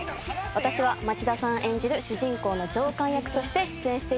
私は町田さん演じる主人公の上官役として出演しています。